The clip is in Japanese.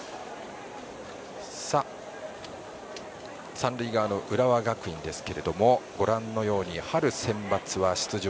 三塁側の浦和学院ですけどもご覧のように春センバツは出場